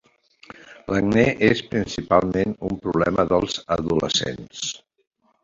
L'acne és principalment un problema dels adolescents.